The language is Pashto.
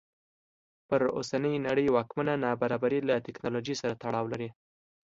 پر اوسنۍ نړۍ واکمنه نابرابري له ټکنالوژۍ سره تړاو لري.